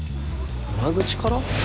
裏口から？